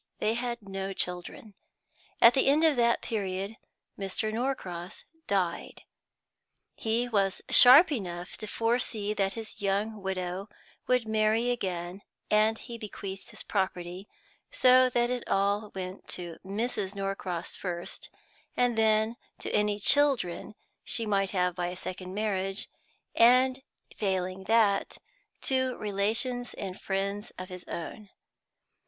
They had no children. At the end of that period Mr. Norcross died. He was sharp enough to foresee that his young widow would marry again, and he bequeathed his property so that it all went to Mrs. Norcross first, and then to any children she might have by a second marriage, and, failing that, to relations and friends of his own.